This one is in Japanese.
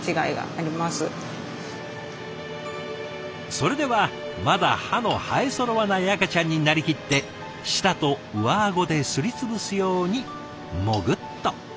それではまだ歯の生えそろわない赤ちゃんになりきって舌と上顎ですり潰すようにもぐっと。